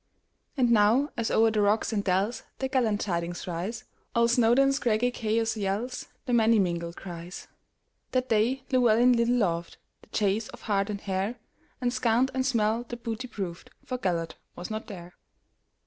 And now, as o'er the rocks and dellsThe gallant chidings rise, All Snowdon's craggy chaos yellsThe many mingled cries! That day Llewelyn little lovedThe chase of hart and hare; And scant and small the booty proved, For Gêlert was not there.